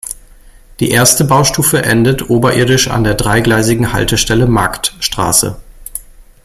Die erste Baustufe endet oberirdisch an der dreigleisigen Haltestelle "Marktstraße".